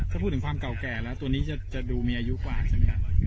ถ้าพูดถึงความเก่าแก่แล้วตัวนี้จะดูมีอายุกว่าใช่ไหมครับ